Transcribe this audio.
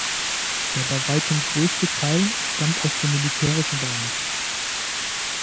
Der bei weitem größte Teil stammt aus dem militärischen Bereich.